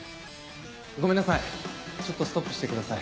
ごめんなさいちょっとストップしてください。